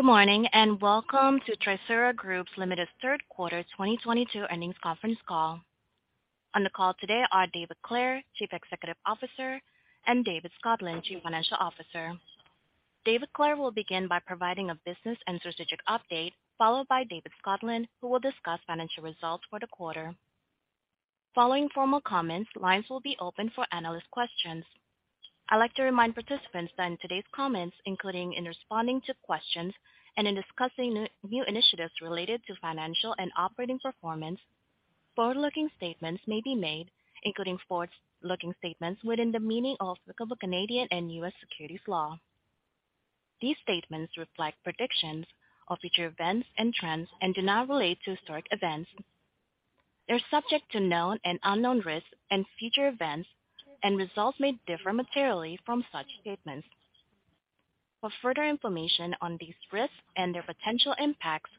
Good morning, and welcome to Trisura Group Ltd.'s third quarter 2022 earnings conference call. On the call today are David Clare, Chief Executive Officer, and David Scotland, Chief Financial Officer. David Clare will begin by providing a business and strategic update, followed by David Scotland, who will discuss financial results for the quarter. Following formal comments, lines will be open for analyst questions. I'd like to remind participants that in today's comments, including in responding to questions and in discussing new initiatives related to financial and operating performance, forward-looking statements may be made, including forward-looking statements within the meaning of applicable Canadian and U.S. securities law. These statements reflect predictions of future events and trends and do not relate to historic events. They're subject to known and unknown risks and future events, and results may differ materially from such statements. For further information on these risks and their potential impacts,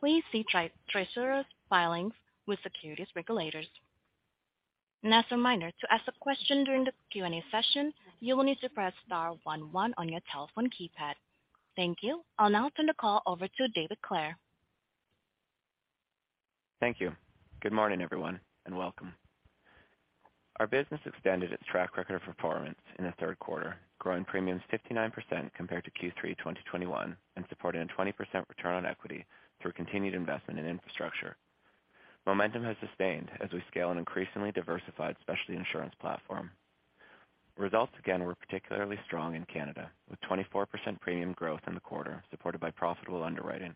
please see Trisura's filings with securities regulators. As a reminder, to ask a question during the Q&A session, you will need to press star one one on your telephone keypad. Thank you. I'll now turn the call over to David Clare. Thank you. Good morning, everyone, and welcome. Our business extended its track record of performance in the third quarter, growing premiums 59% compared to Q3 2021 and supported a 20% return on equity through continued investment in infrastructure. Momentum has sustained as we scale an increasingly diversified specialty insurance platform. Results again were particularly strong in Canada, with 24% premium growth in the quarter supported by profitable underwriting.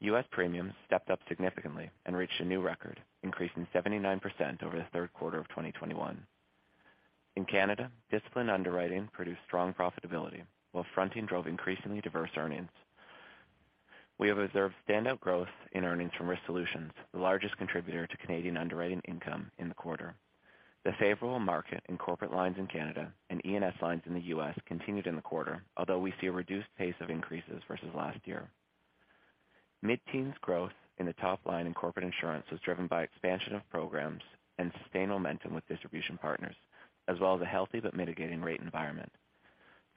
U.S. premiums stepped up significantly and reached a new record, increasing 79% over the third quarter of 2021. In Canada, disciplined underwriting produced strong profitability while fronting drove increasingly diverse earnings. We have observed standout growth in earnings from risk solutions, the largest contributor to Canadian underwriting income in the quarter. The favorable market in corporate lines in Canada and E&S lines in the U.S. continued in the quarter. Although we see a reduced pace of increases versus last year. Mid-teens growth in the top line in Corporate Insurance was driven by expansion of programs and sustained momentum with distribution partners, as well as a healthy but mitigating rate environment.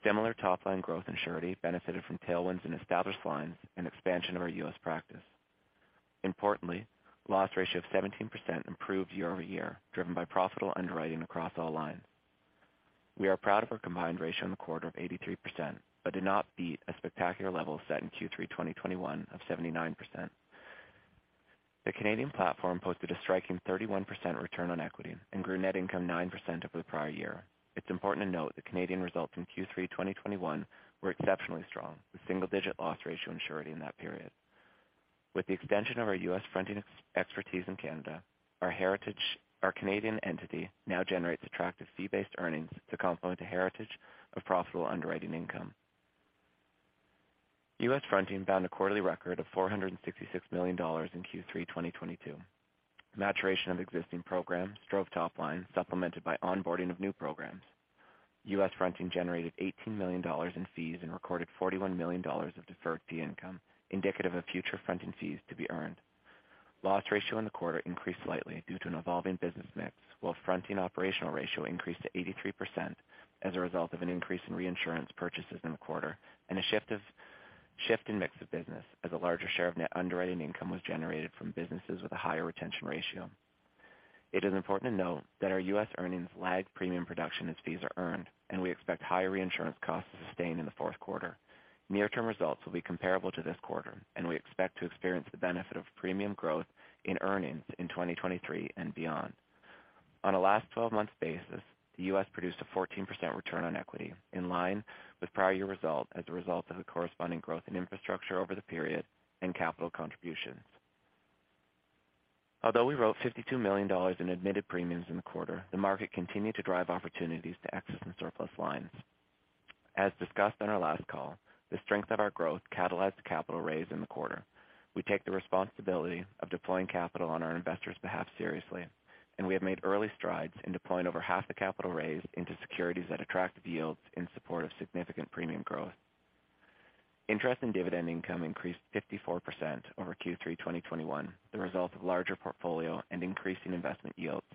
Similar top-line growth in Surety benefited from tailwinds in established lines and expansion of our U.S. practice. Importantly, loss ratio of 17% improved year-over-year, driven by profitable underwriting across all lines. We are proud of our combined ratio in the quarter of 83%, but did not beat a spectacular level set in Q3 2021 of 79%. The Canadian platform posted a striking 31% return on equity and grew net income 9% over the prior year. It's important to note the Canadian results in Q3 2021 were exceptionally strong, with single-digit loss ratio in Surety in that period. With the extension of our U.S fronting expertise in Canada, our heritage, our Canadian entity now generates attractive fee-based earnings to complement the heritage of profitable underwriting income. US fronting found a quarterly record of $466 million in Q3 2022. Maturation of existing programs drove top line, supplemented by onboarding of new programs. U.S fronting generated $18 million in fees and recorded $41 million of deferred fee income, indicative of future fronting fees to be earned. Loss ratio in the quarter increased slightly due to an evolving business mix, while fronting operational ratio increased to 83% as a result of an increase in reinsurance purchases in the quarter and a shift in mix of business as a larger share of net underwriting income was generated from businesses with a higher retention ratio. It is important to note that our U.S earnings lag premium production as fees are earned, and we expect higher reinsurance costs to sustain in the fourth quarter. Near-term results will be comparable to this quarter, and we expect to experience the benefit of premium growth in earnings in 2023 and beyond. On a last twelve months basis, the U.S produced a 14% return on equity, in line with prior year result as a result of the corresponding growth in infrastructure over the period and capital contributions. Although we wrote $52 million in admitted premiums in the quarter, the market continued to drive opportunities to excess and surplus lines. As discussed on our last call, the strength of our growth catalyzed a capital raise in the quarter. We take the responsibility of deploying capital on our investors' behalf seriously, and we have made early strides in deploying over half the capital raise into securities at attractive yields in support of significant premium growth. Interest and dividend income increased 54% over Q3 2021, the result of larger portfolio and increasing investment yields.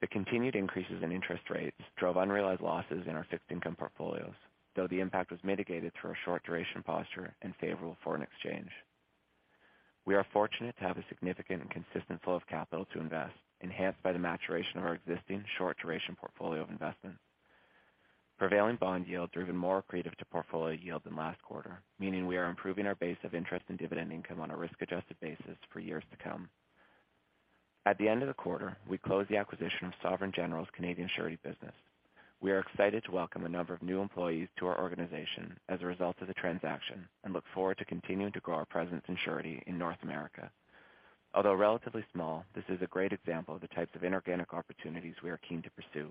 The continued increases in interest rates drove unrealized losses in our fixed income portfolios, though the impact was mitigated through a short duration posture and favorable foreign exchange. We are fortunate to have a significant and consistent flow of capital to invest, enhanced by the maturation of our existing short duration portfolio of investments. Prevailing bond yields are even more accretive to portfolio yield than last quarter, meaning we are improving our base of interest in dividend income on a risk-adjusted basis for years to come. At the end of the quarter, we closed the acquisition of Sovereign General's Canadian Surety business. We are excited to welcome a number of new employees to our organization as a result of the transaction and look forward to continuing to grow our presence in Surety in North America. Although relatively small, this is a great example of the types of inorganic opportunities we are keen to pursue.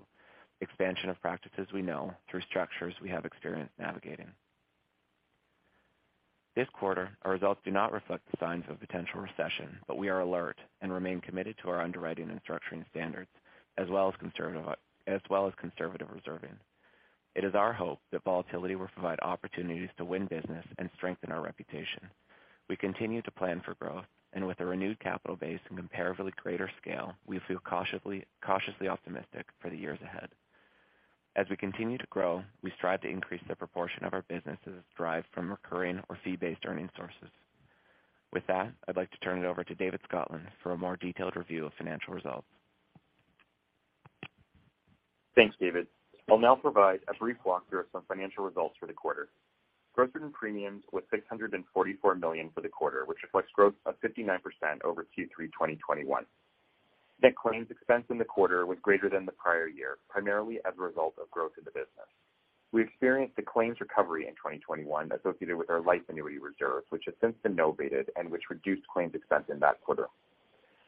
Expansion of practices we know through structures we have experience navigating. This quarter, our results do not reflect the signs of potential recession, but we are alert and remain committed to our underwriting and structuring standards as well as conservative reserving. It is our hope that volatility will provide opportunities to win business and strengthen our reputation. We continue to plan for growth. With a renewed capital base and comparably greater scale, we feel cautiously optimistic for the years ahead. As we continue to grow, we strive to increase the proportion of our businesses derived from recurring or fee-based earning sources. With that, I'd like to turn it over to David Scotland for a more detailed review of financial results. Thanks, David. I'll now provide a brief walkthrough of some financial results for the quarter. Gross written premiums was 644 million for the quarter, which reflects growth of 59% over Q3 2021. Net claims expense in the quarter was greater than the prior year, primarily as a result of growth in the business. We experienced a claims recovery in 2021 associated with our life annuity reserves, which has since been novated and which reduced claims expense in that quarter.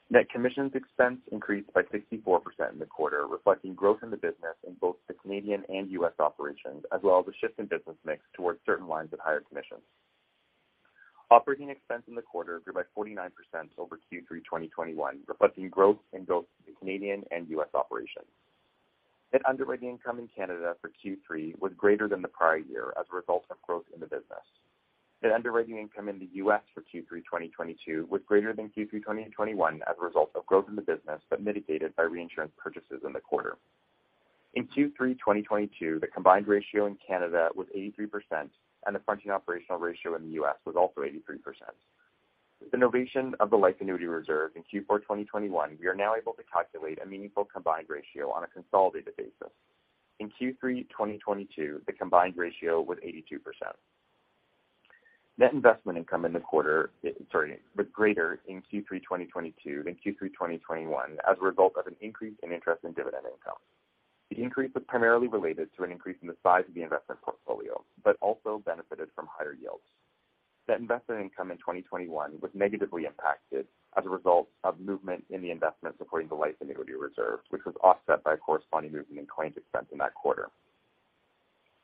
Net commissions expense increased by 64% in the quarter, reflecting growth in the business in both the Canadian and US operations, as well as a shift in business mix towards certain lines of higher commissions. Operating expense in the quarter grew by 49% over Q3 2021, reflecting growth in both the Canadian and U.S operations. Net underwriting income in Canada for Q3 was greater than the prior year as a result of growth in the business. Net underwriting income in the U.S for Q3 2022 was greater than Q3 2021 as a result of growth in the business, but mitigated by reinsurance purchases in the quarter. In Q3 2022, the combined ratio in Canada was 83%, and the fronting operational ratio in the U.S was also 83%. With the novation of the life annuity reserve in Q4 2021, we are now able to calculate a meaningful combined ratio on a consolidated basis. In Q3 2022, the combined ratio was 82%. Net investment income in the quarter was greater in Q3 2022 than Q3 2021 as a result of an increase in interest in dividend income. The increase was primarily related to an increase in the size of the investment portfolio, but also benefited from higher yields. Net investment income in 2021 was negatively impacted as a result of movement in the investments supporting the life annuity reserve, which was offset by a corresponding movement in claims expense in that quarter.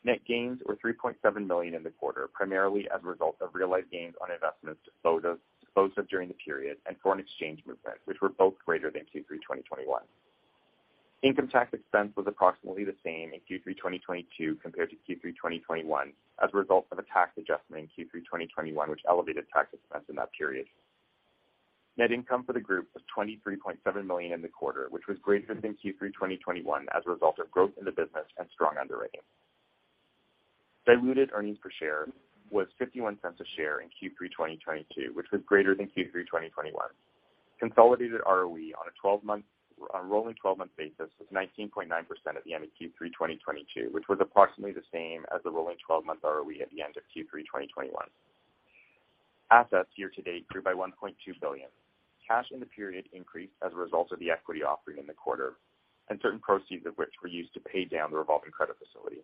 Net gains were 3.7 million in the quarter, primarily as a result of realized gains on investments disposed of during the period and foreign exchange movement, which were both greater than Q3 2021. Income tax expense was approximately the same in Q3 2022 compared to Q3 2021 as a result of a tax adjustment in Q3 2021, which elevated tax expense in that period. Net income for the group was 23.7 million in the quarter, which was greater than Q3 2021 as a result of growth in the business and strong underwriting. Diluted earnings per share was 0.51 a share in Q3 2022, which was greater than Q3 2021. Consolidated ROE on a rolling twelve-month basis was 19.9% at the end of Q3 2022, which was approximately the same as the rolling twelve-month ROE at the end of Q3 2021. Assets year to date grew by 1.2 billion. Cash in the period increased as a result of the equity offering in the quarter, and certain proceeds of which were used to pay down the revolving credit facility.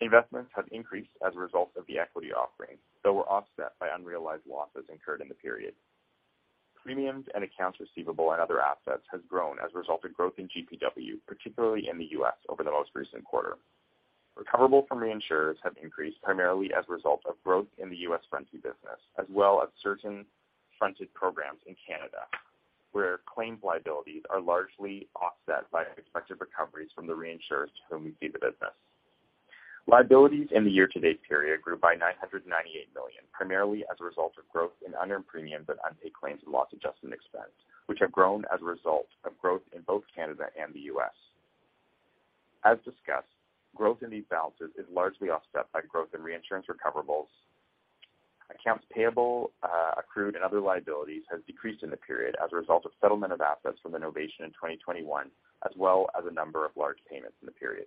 Investments have increased as a result of the equity offering, though were offset by unrealized losses incurred in the period. Premiums and accounts receivable and other assets has grown as a result of growth in GPW, particularly in the U.S over the most recent quarter. Recoverable from reinsurers have increased primarily as a result of growth in the U.S fronting business, as well as certain fronted programs in Canada, where claims liabilities are largely offset by expected recoveries from the reinsurers to whom we cede the business. Liabilities in the year-to-date period grew by 998 million, primarily as a result of growth in unearned premiums and unpaid claims and loss adjustment expense, which have grown as a result of growth in both Canada and the U.S. As discussed, growth in these balances is largely offset by growth in reinsurance recoverables. Accounts payable, accrued and other liabilities has decreased in the period as a result of settlement of assets from the novation in 2021, as well as a number of large payments in the period.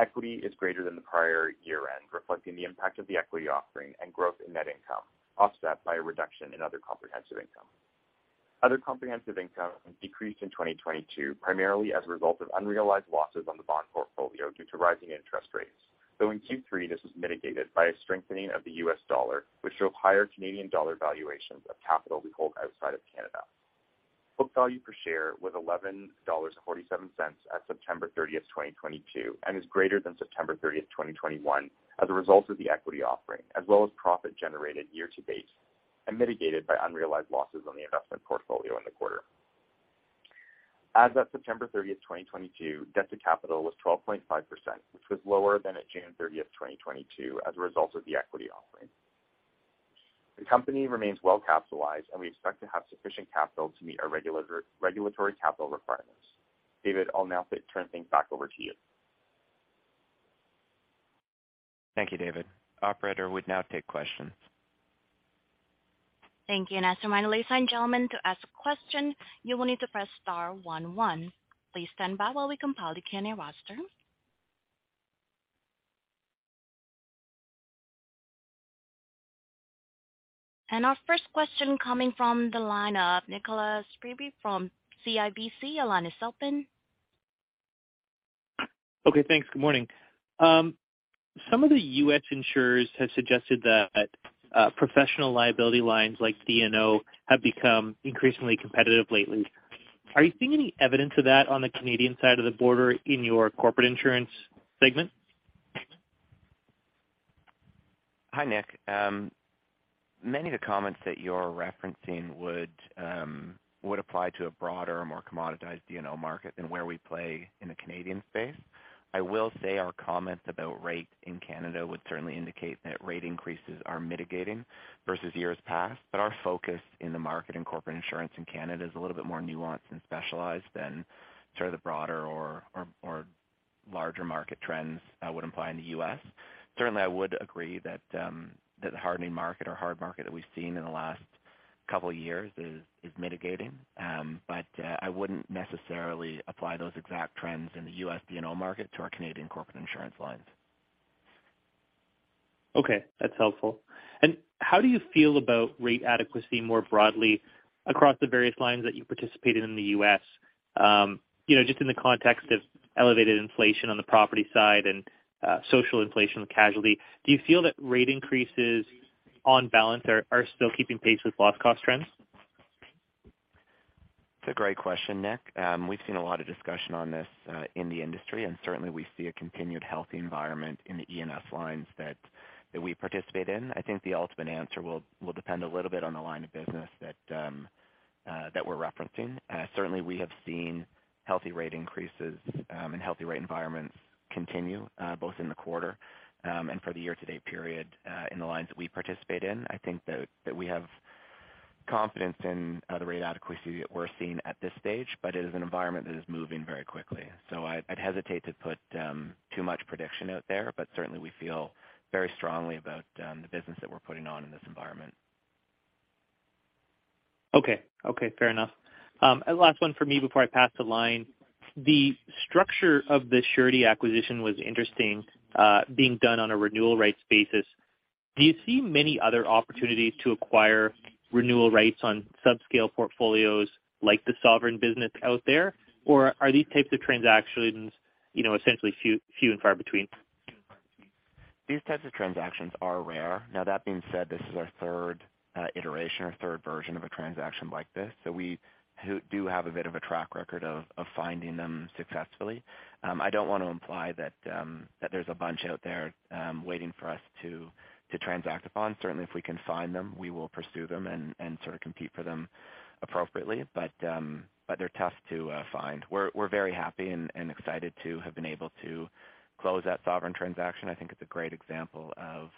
Equity is greater than the prior year-end, reflecting the impact of the equity offering and growth in net income, offset by a reduction in other comprehensive income. Other comprehensive income decreased in 2022, primarily as a result of unrealized losses on the bond portfolio due to rising interest rates, though in Q3 this was mitigated by a strengthening of the U.S dollar, which showed higher Canadian dollar valuations of capital we hold outside of Canada. Book value per share was 11.47 dollars at September thirtieth, 2022, and is greater than September thirtieth, 2021, as a result of the equity offering, as well as profit generated year to date and mitigated by unrealized losses on the investment portfolio in the quarter. As of September thirtieth, 2022, debt to capital was 12.5%, which was lower than at June thirtieth, 2022, as a result of the equity offering. The company remains well capitalized and we expect to have sufficient capital to meet our regular regulatory capital requirements. David, I'll now turn things back over to you. Thank you, David. Operator, we'd now take questions. Thank you. As a reminder, ladies and gentlemen, to ask a question, you will need to press star one one. Please stand by while we compile the Q&A roster. Our first question coming from the line of Nik Priebe from CIBC. Your line is open. Okay, thanks. Good morning. Some of the U.S. insurers have suggested that professional liability lines like D&O have become increasingly competitive lately. Are you seeing any evidence of that on the Canadian side of the border in your Corporate Insurance segment? Hi, Nick. Many of the comments that you're referencing would apply to a broader, more commoditized D&O market than where we play in the Canadian space. I will say our comments about rates in Canada would certainly indicate that rate increases are mitigating versus years past, but our focus in the market in Corporate Insurance in Canada is a little bit more nuanced and specialized than sort of the broader or larger market trends would imply in the U.S. Certainly, I would agree that the hardening market or hard market that we've seen in the last couple years is mitigating. I wouldn't necessarily apply those exact trends in the U.S. D&O market to our Canadian Corporate Insurance lines. Okay, that's helpful. How do you feel about rate adequacy more broadly across the various lines that you participated in the U.S, you know, just in the context of elevated inflation on the property side and social inflation with casualty. Do you feel that rate increases on balance are still keeping pace with loss cost trends? It's a great question, Nik. We've seen a lot of discussion on this in the industry, and certainly we see a continued healthy environment in the E&S lines that we participate in. I think the ultimate answer will depend a little bit on the line of business that we're referencing. Certainly we have seen healthy rate increases and healthy rate environments continue both in the quarter and for the year-to-date period in the lines that we participate in. I think that we have confidence in the rate adequacy that we're seeing at this stage, but it is an environment that is moving very quickly. I'd hesitate to put too much prediction out there, but certainly we feel very strongly about the business that we're putting on in this environment. Okay. Okay, fair enough. Last one for me before I pass to line. The structure of the surety acquisition was interesting, being done on a renewal rights basis. Do you see many other opportunities to acquire renewal rights on subscale portfolios like the Sovereign business out there? Or are these types of transactions, you know, essentially few and far between? These types of transactions are rare. Now that being said, this is our third iteration or third version of a transaction like this. We do have a bit of a track record of finding them successfully. I don't wanna imply that there's a bunch out there waiting for us to transact upon. Certainly if we can find them, we will pursue them and sort of compete for them appropriately. They're tough to find. We're very happy and excited to have been able to close that Sovereign transaction. I think it's a great example of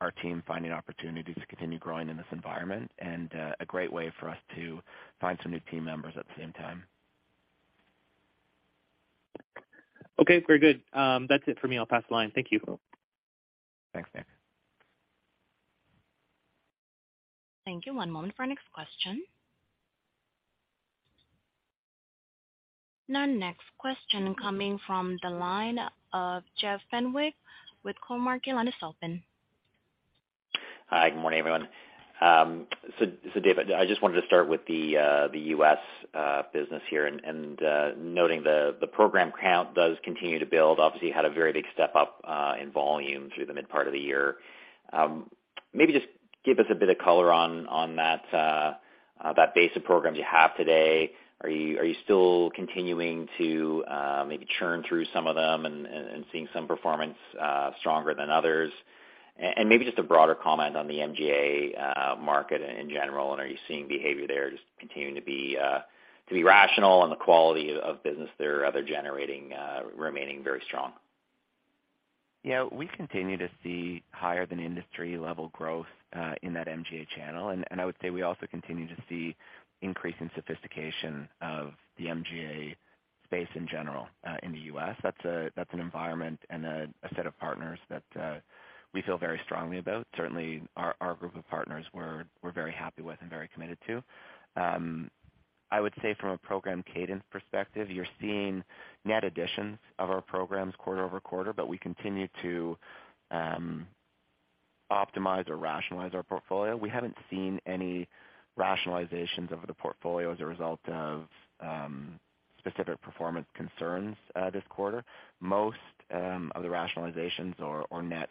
our team finding opportunities to continue growing in this environment and a great way for us to find some new team members at the same time. Okay, very good. That's it for me. I'll pass the line. Thank you. Thanks, Nik. Thank you. One moment for our next question. Now next question coming from the line of Jeff Fenwick with Cormark Securities. Hi, good morning, everyone. David, I just wanted to start with the U.S business here and noting the program count does continue to build. Obviously you had a very big step up in volume through the mid part of the year. Maybe just give us a bit of color on that base of programs you have today. Are you still continuing to maybe churn through some of them and seeing some performance stronger than others? Maybe just a broader comment on the MGA market in general, and are you seeing behavior there just continuing to be rational on the quality of business they're generating, remaining very strong? Yeah. We continue to see higher than industry level growth in that MGA channel. I would say we also continue to see increase in sophistication of the MGA space in general in the U.S. That's an environment and a set of partners that we feel very strongly about. Certainly our group of partners we're very happy with and very committed to. I would say from a program cadence perspective, you're seeing net additions of our programs quarter-over-quarter, but we continue to optimize or rationalize our portfolio. We haven't seen any rationalizations of the portfolio as a result of specific performance concerns this quarter. Most of the rationalizations or net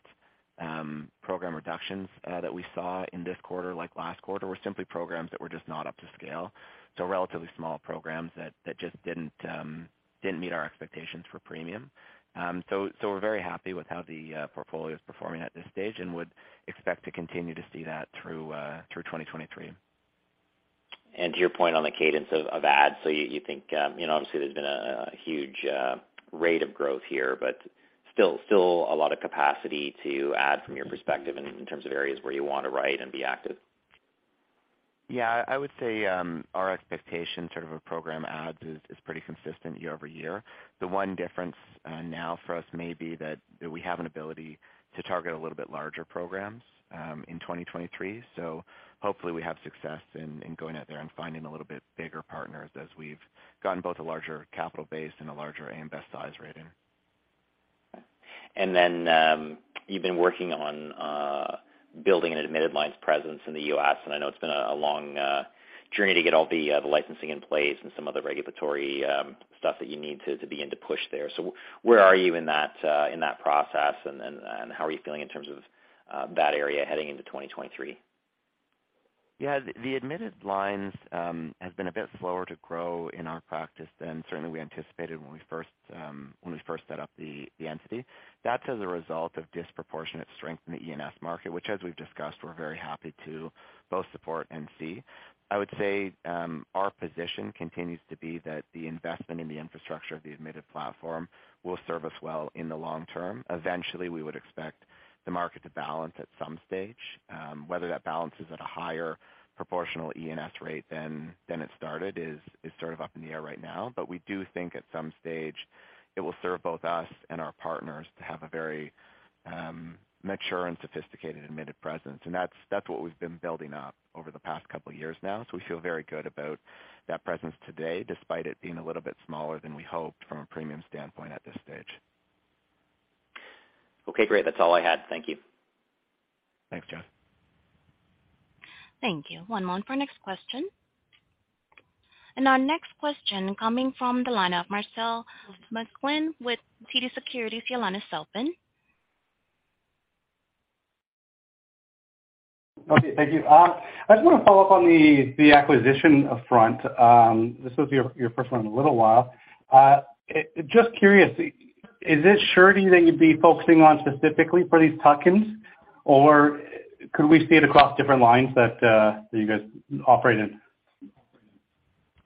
program reductions that we saw in this quarter, like last quarter, were simply programs that were just not up to scale. Relatively small programs that just didn't meet our expectations for premium. We're very happy with how the portfolio is performing at this stage and would expect to continue to see that through 2023. To your point on the cadence of adds, so you think, you know, obviously there's been a huge rate of growth here, but still a lot of capacity to add from your perspective in terms of areas where you want to write and be active. Yeah. I would say our expectation sort of a program adds is pretty consistent year-over-year. The one difference now for us may be that we have an ability to target a little bit larger programs in 2023. Hopefully we have success in going out there and finding a little bit bigger partners as we've gotten both a larger capital base and a larger AM Best size rating. You've been working on building an admitted lines presence in the U.S., and I know it's been a long journey to get all the licensing in place and some of the regulatory stuff that you need to begin to push there. Where are you in that process, and how are you feeling in terms of that area heading into 2023? Yeah, the admitted lines have been a bit slower to grow in our practice than certainly we anticipated when we first set up the entity. That's as a result of disproportionate strength in the E&S market, which as we've discussed, we're very happy to both support and see. I would say, our position continues to be that the investment in the infrastructure of the admitted platform will serve us well in the long term. Eventually, we would expect the market to balance at some stage. Whether that balance is at a higher proportional E&S rate than it started is sort of up in the air right now. We do think at some stage it will serve both us and our partners to have a very mature and sophisticated admitted presence. That's what we've been building up over the past couple of years now. We feel very good about that presence today, despite it being a little bit smaller than we hoped from a premium standpoint at this stage. Okay, great. That's all I had. Thank you. Thanks, Jeff. Thank you. One moment for next question. Our next question coming from the line of Marcel McLean with TD Securities. The line is open. Okay, thank you. I just want to follow up on the acquisition of fronting. This was your first one in a little while. Just curious, is it Surety that you'd be focusing on specifically for these tuck-ins, or could we see it across different lines that you guys operate in?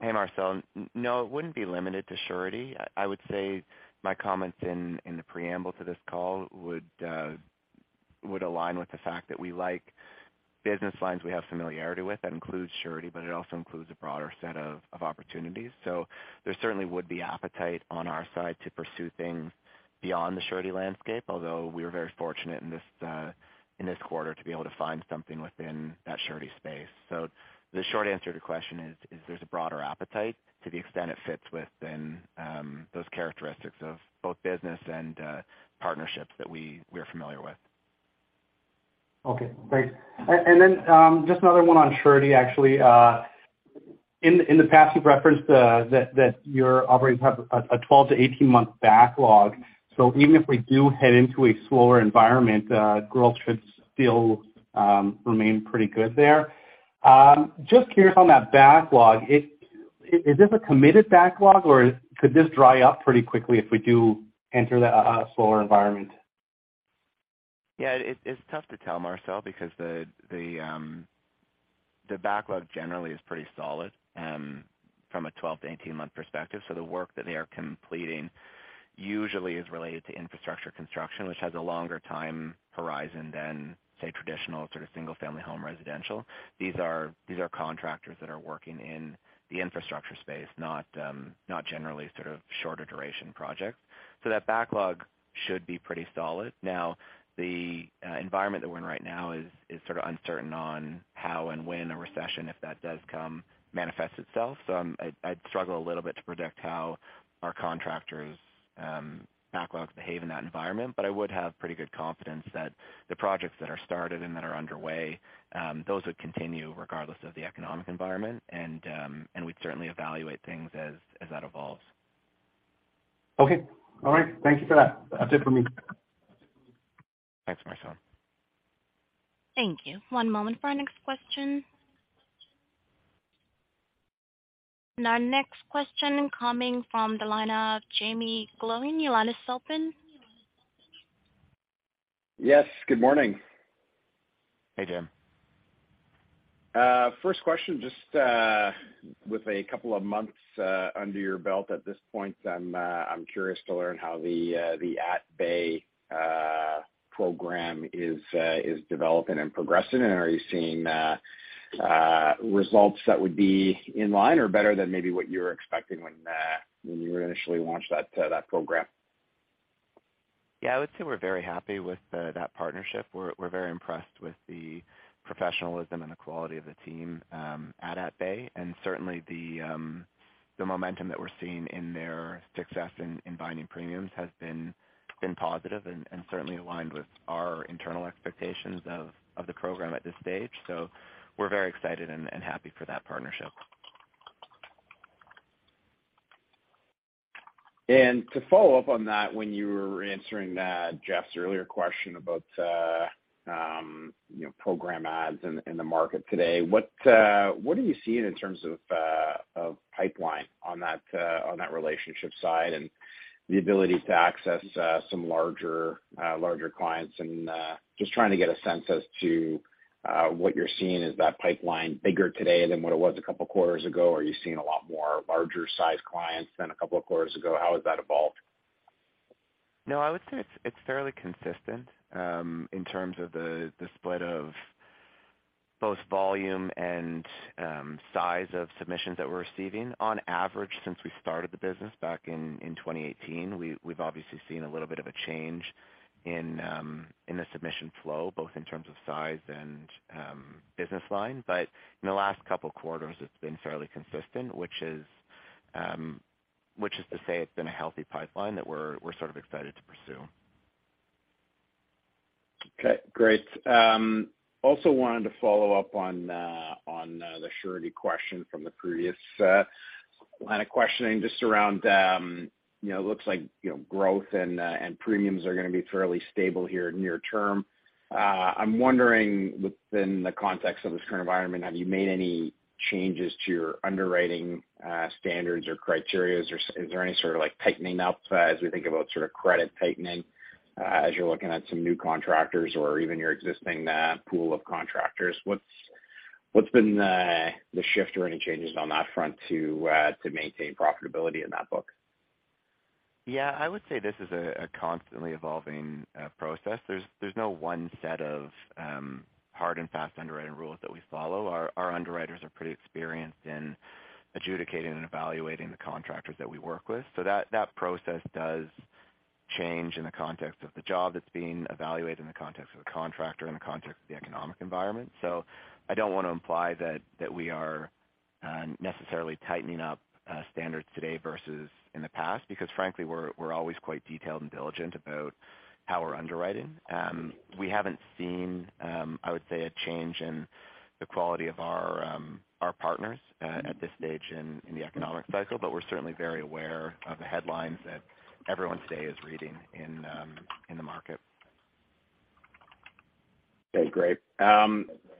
Hey, Marcel. No, it wouldn't be limited to Surety. I would say my comments in the preamble to this call would align with the fact that we like business lines we have familiarity with. That includes Surety, but it also includes a broader set of opportunities. There certainly would be appetite on our side to pursue things beyond the Surety landscape, although we are very fortunate in this quarter to be able to find something within that Surety space. The short answer to your question is there's a broader appetite to the extent it fits within those characteristics of both business and partnerships that we're familiar with. Okay, great. Just another one on Surety, actually. In the past, you've referenced that your operators have a 12-18 month backlog. Even if we do head into a slower environment, growth should still remain pretty good there. Just curious on that backlog. Is this a committed backlog or could this dry up pretty quickly if we do enter the slower environment? It's tough to tell Marcel because the backlog generally is pretty solid from a 12- to 18-month perspective. The work that they are completing usually is related to infrastructure construction, which has a longer time horizon than, say, traditional sort of single family home residential. These are contractors that are working in the infrastructure space, not generally sort of shorter duration projects. That backlog should be pretty solid. The environment that we're in right now is sort of uncertain on how and when a recession, if that does come, manifests itself. I'd struggle a little bit to predict how our contractors' backlogs behave in that environment. I would have pretty good confidence that the projects that are started and that are underway, those would continue regardless of the economic environment. We'd certainly evaluate things as that evolves. Okay. All right. Thank you for that. That's it for me. Thanks, Marcel. Thank you. One moment for our next question. Our next question coming from the line of Jaeme Gloyn. Your line is open. Yes, good morning. Hey, Jaeme. First question, just, with a couple of months under your belt at this point, I'm curious to learn how the At-Bay program is developing and progressing. Are you seeing results that would be in line or better than maybe what you were expecting when you initially launched that program? Yeah, I would say we're very happy with that partnership. We're very impressed with the professionalism and the quality of the team at At-Bay. Certainly the momentum that we're seeing in their success in binding premiums has been positive and certainly aligned with our internal expectations of the program at this stage. We're very excited and happy for that partnership. To follow up on that, when you were answering Jeff's earlier question about, you know, program adds in the market today, what are you seeing in terms of pipeline on that relationship side and the ability to access some larger clients? Just trying to get a sense as to what you're seeing. Is that pipeline bigger today than what it was a couple quarters ago? Are you seeing a lot more larger sized clients than a couple of quarters ago? How has that evolved? No, I would say it's fairly consistent in terms of the split of both volume and size of submissions that we're receiving. On average, since we started the business back in 2018, we've obviously seen a little bit of a change in the submission flow, both in terms of size and business line. In the last couple quarters, it's been fairly consistent, which is to say it's been a healthy pipeline that we're sort of excited to pursue. Okay, great. Also wanted to follow up on the Surety question from the previous line of questioning just around, you know, looks like, you know, growth and premiums are gonna be fairly stable here near term. I'm wondering within the context of this current environment, have you made any changes to your underwriting standards or criteria? Or is there any sort of like tightening up as we think about sort of credit tightening, as you're looking at some new contractors or even your existing pool of contractors? What's been the shift or any changes on that front to maintain profitability in that book? Yeah, I would say this is a constantly evolving process. There's no one set of hard and fast underwriting rules that we follow. Our underwriters are pretty experienced in adjudicating and evaluating the contractors that we work with. That process does change in the context of the job that's being evaluated, in the context of the contractor, in the context of the economic environment. I don't wanna imply that we are necessarily tightening up standards today versus in the past, because frankly, we're always quite detailed and diligent about how we're underwriting. We haven't seen, I would say, a change in the quality of our partners at this stage in the economic cycle, but we're certainly very aware of the headlines that everyone today is reading in the market. Okay, great.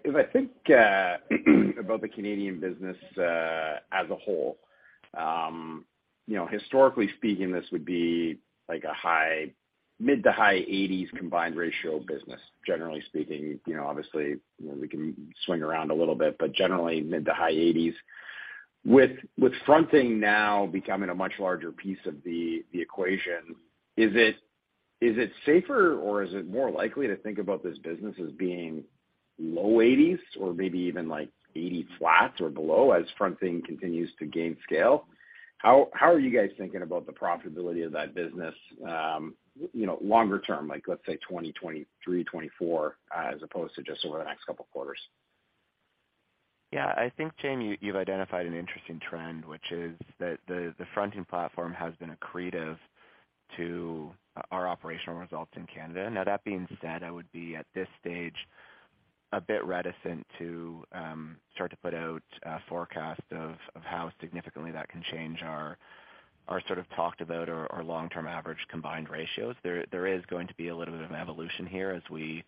If I think about the Canadian business as a whole, you know, historically speaking, this would be like a high, mid- to high-80s combined ratio business. Generally speaking, you know, obviously, you know, we can swing around a little bit, but generally mid- to high-80s. With fronting now becoming a much larger piece of the equation, is it safer or is it more likely to think about this business as being low 80s or maybe even like 80 flat or below as fronting continues to gain scale? How are you guys thinking about the profitability of that business, you know, longer term, like let's say 2023, 2024, as opposed to just over the next couple of quarters? Yeah. I think, Jaeme, you've identified an interesting trend, which is that the fronting platform has been accretive to our operational results in Canada. Now that being said, I would be at this stage a bit reticent to start to put out a forecast of how significantly that can change our sort of talked about or our long-term average combined ratios. There is going to be a little bit of an evolution here as we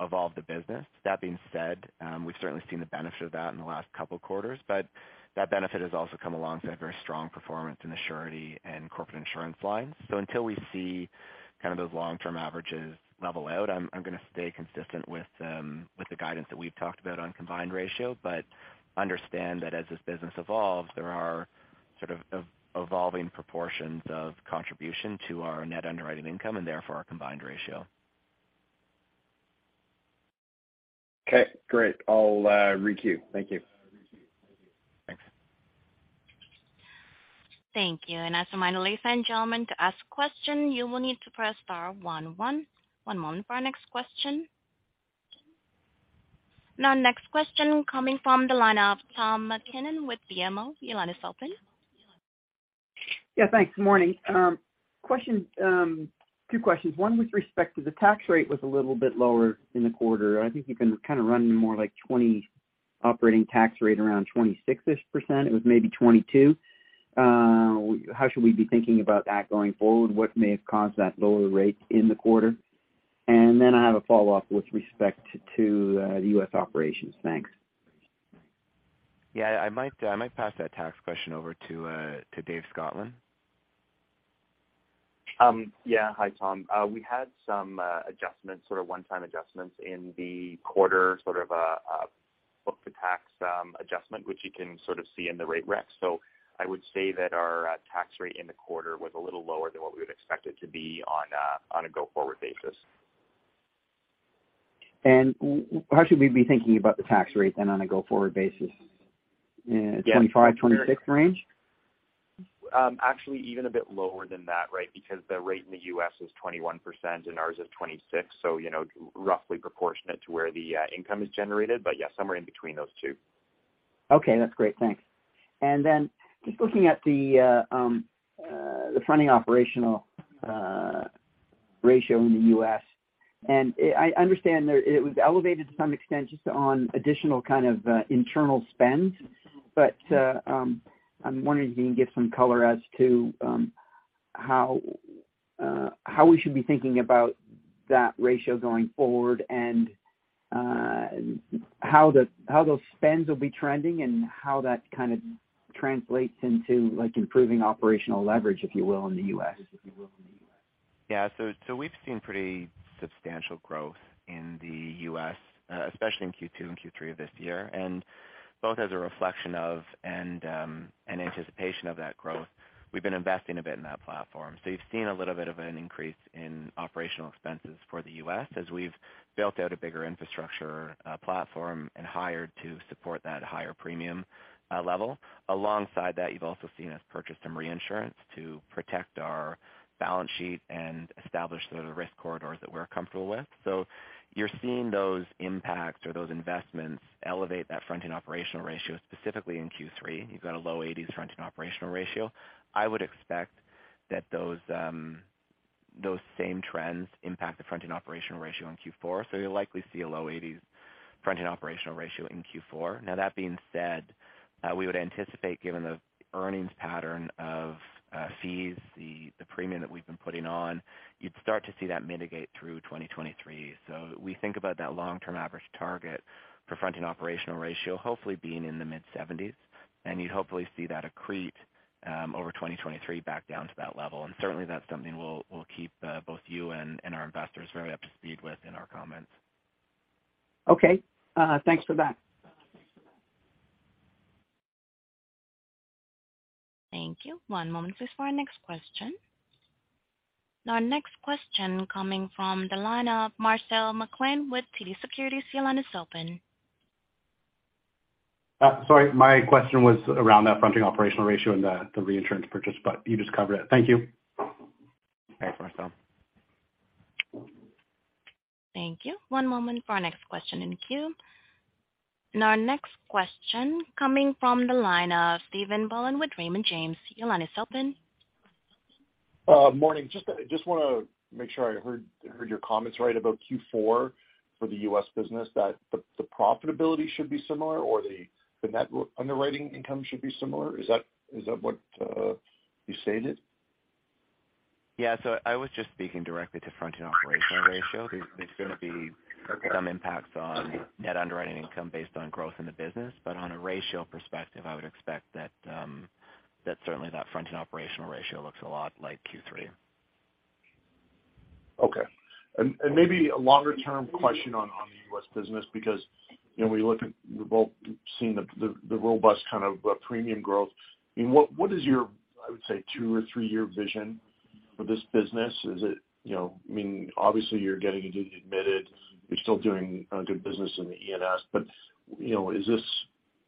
evolve the business. That being said, we've certainly seen the benefit of that in the last couple of quarters, but that benefit has also come alongside a very strong performance in the surety and corporate insurance lines. Until we see kind of those long term averages level out, I'm gonna stay consistent with the guidance that we've talked about on combined ratio. Understand that as this business evolves, there are sort of evolving proportions of contribution to our net underwriting income and therefore our combined ratio. Okay, great. I'll requeue. Thank you. Thanks. Thank you. As a reminder, ladies and gentlemen, to ask question, you will need to press star one one. One moment for our next question. Now next question coming from the line of Tom MacKinnon with BMO. Your line is open. Thanks. Morning. Question, two questions. One with respect to the tax rate was a little bit lower in the quarter. I think you've been kind of running more like 20%, operating tax rate around 26-ish%. It was maybe 22%. How should we be thinking about that going forward? What may have caused that lower rate in the quarter? I have a follow-up with respect to the U.S. operations. Thanks. Yeah, I might pass that tax question over to David Scotland. Yeah. Hi, Tom. We had some adjustments, sort of one-time adjustments in the quarter, sort of a book to tax adjustment, which you can sort of see in the rate rec. I would say that our tax rate in the quarter was a little lower than what we would expect it to be on a go-forward basis. How should we be thinking about the tax rate then on a go forward basis? 25%-26% range? Actually even a bit lower than that, right? Because the rate in the U.S is 21% and ours is 26, so, you know, roughly proportionate to where the income is generated. Yeah, somewhere in between those two. Okay, that's great. Thanks. Just looking at the fronting operational ratio in the US, I understand there it was elevated to some extent just on additional kind of internal spend. I'm wondering if you can give some color as to how we should be thinking about that ratio going forward, and how those spends will be trending and how that kind of translates into like improving operational leverage, if you will, in the US. Yeah. We've seen pretty substantial growth in the U.S., especially in Q2 and Q3 of this year. Both as a reflection of and anticipation of that growth, we've been investing a bit in that platform. You've seen a little bit of an increase in operational expenses for the U.S. as we've built out a bigger infrastructure platform and hired to support that higher premium level. Alongside that, you've also seen us purchase some reinsurance to protect our balance sheet and establish the risk corridors that we're comfortable with. You're seeing those impacts or those investments elevate that fronting operational ratio, specifically in Q3. You've got a low 80s% fronting operational ratio. I would expect that those same trends impact the fronting operational ratio in Q4. You'll likely see a low 80s% fronting operational ratio in Q4. Now that being said, we would anticipate, given the earnings pattern of fees, the premium that we've been putting on, you'd start to see that mitigate through 2023. We think about that long-term average target for fronting operational ratio hopefully being in the mid-seventies, and you'd hopefully see that accrete over 2023 back down to that level. Certainly that's something we'll keep both you and our investors very up to speed with in our comments. Okay, thanks for that. Thank you. One moment, please, for our next question. Our next question coming from the line of Marcel McLean with TD Securities. Your line is open. Sorry. My question was around that fronting operational ratio and the reinsurance purchase, but you just covered it. Thank you. Thanks, Marcel. Thank you. One moment for our next question in the queue. Our next question coming from the line of Stephen Boland with Raymond James. Your line is open. Morning. Just wanna make sure I heard your comments right about Q4 for the U.S. business. That the profitability should be similar or the net underwriting income should be similar. Is that what you stated? Yeah. I was just speaking directly to fronting operational ratio. Okay. There's gonna be some impacts on net underwriting income based on growth in the business. On a ratio perspective, I would expect that certainly the fronting operational ratio looks a lot like Q3. Okay. Maybe a longer-term question on the U.S. business because, you know, when we look at, we've all seen the robust kind of premium growth. I mean, what is your, I would say, 2- or 3-year vision for this business? Is it, you know? I mean, obviously you're getting into the admitted, you're still doing good business in the E&S, but, you know, is this,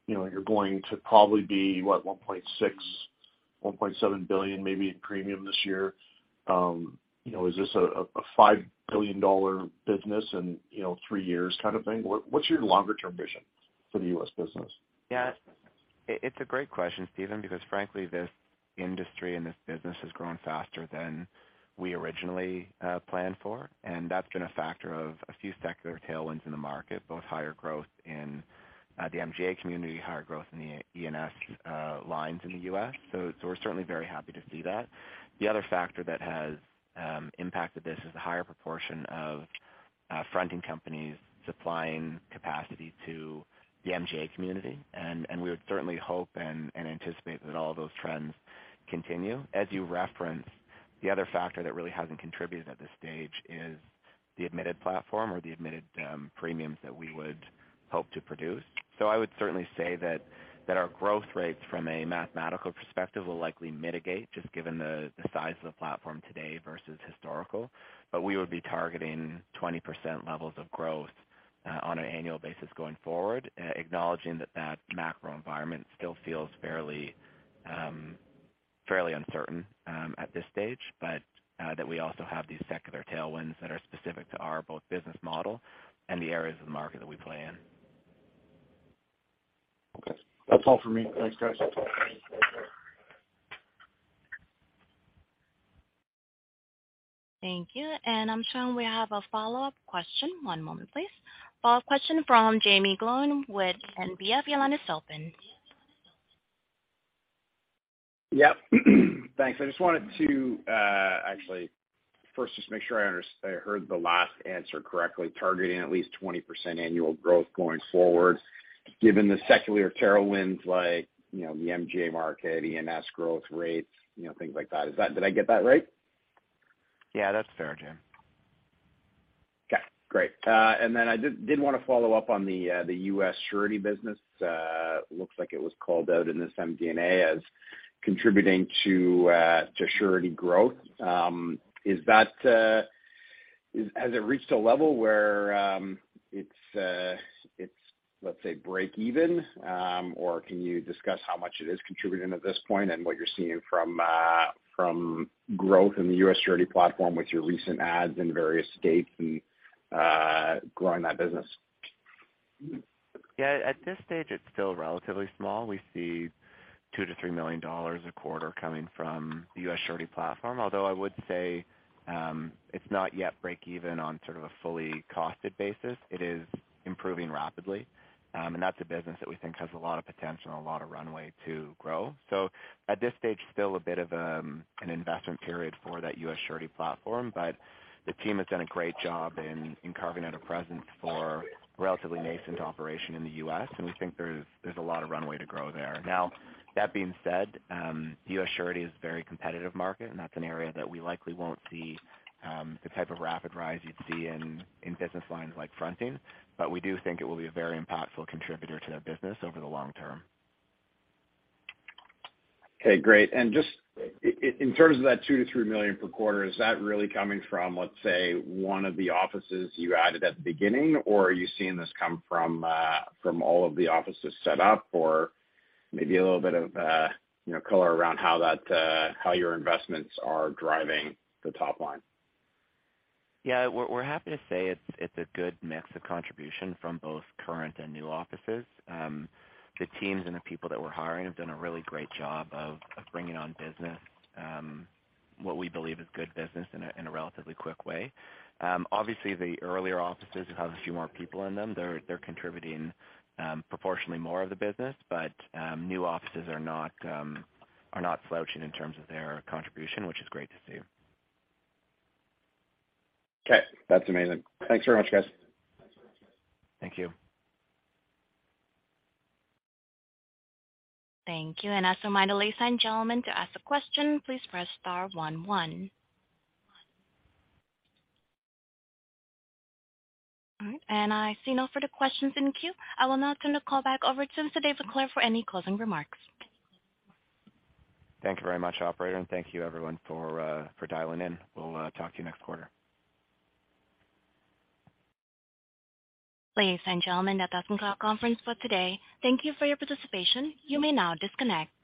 you know, you're going to probably be, what, $1.6-$1.7 billion maybe in premium this year. You know, is this a $5 billion business in, you know, three years kind of thing? What is your longer term vision for the U.S. business? Yeah. It's a great question, Stephen, because frankly this industry and this business has grown faster than we originally planned for, and that's been a factor of a few secular tailwinds in the market, both higher growth in the MGA community, higher growth in the E&S lines in the U.S. So we're certainly very happy to see that. The other factor that has impacted this is the higher proportion of fronting companies supplying capacity to the MGA community. We would certainly hope and anticipate that all of those trends continue. As you referenced, the other factor that really hasn't contributed at this stage is the admitted platform or the admitted premiums that we would hope to produce. I would certainly say that our growth rates from a mathematical perspective will likely mitigate just given the size of the platform today versus historical. We would be targeting 20% levels of growth on an annual basis going forward, acknowledging that the macro environment still feels fairly uncertain at this stage, but that we also have these secular tailwinds that are specific to our business model and the areas of the market that we play in. Okay. That's all for me. Thanks, guys. Thank you. I'm showing we have a follow-up question. One moment, please. Follow-up question from Jaeme Gloyn with NBF. Your line is open. Yep. Thanks. I just wanted to, actually first just make sure I heard the last answer correctly, targeting at least 20% annual growth going forward, given the secular tailwinds like, you know, the MGA market, E&S growth rates, you know, things like that. Is that? Did I get that right? Yeah, that's fair, Jaeme. Okay, great. I did wanna follow up on the U.S. surety business. Looks like it was called out in this MD&A as contributing to surety growth. Has it reached a level where it's, let's say, break even? Can you discuss how much it is contributing at this point and what you're seeing from growth in the U.S. surety platform with your recent adds in various states and growing that business? Yeah. At this stage it's still relatively small. We see $2-3 million a quarter coming from the U.S. surety platform. Although I would say, it's not yet break even on sort of a fully costed basis. It is improving rapidly. And that's a business that we think has a lot of potential and a lot of runway to grow. At this stage, still a bit of, an investment period for that U.S. surety platform. The team has done a great job in carving out a presence for relatively nascent operation in the U.S., and we think there's a lot of runway to grow there. Now that being said, U.S. surety is a very competitive market, and that's an area that we likely won't see, the type of rapid rise you'd see in business lines like fronting. We do think it will be a very impactful contributor to the business over the long term. Okay, great. Just in terms of that 2-3 million per quarter, is that really coming from, let's say, one of the offices you added at the beginning? Or are you seeing this come from from all of the offices set up? Or maybe a little bit of, you know, color around how that, how your investments are driving the top line. Yeah. We're happy to say it's a good mix of contribution from both current and new offices. The teams and the people that we're hiring have done a really great job of bringing on business, what we believe is good business in a relatively quick way. Obviously, the earlier offices have a few more people in them. They're contributing proportionally more of the business, but new offices are not slouching in terms of their contribution, which is great to see. Okay. That's amazing. Thanks very much, guys. Thank you. Thank you. Also remind the ladies and gentlemen to ask a question, please press star one one. All right. I see no further questions in queue. I will now turn the call back over to David Clare for any closing remarks. Thank you very much, operator, and thank you everyone for dialing in. We'll talk to you next quarter. Ladies and gentlemen, that does conclude conference for today. Thank you for your participation. You may now disconnect. Goodbye.